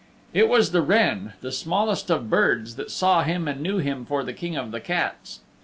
It was the wren, the smallest of birds, that saw him and knew him for the King of the Cats.